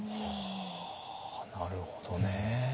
なるほどね。